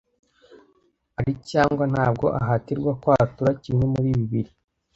ari cyangwa ntabwo ahatirwa kwatura kimwe muri bibiri